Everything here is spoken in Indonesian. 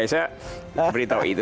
saya beritahu itu